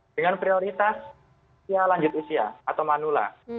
dengan prioritas usia lanjut usia atau manula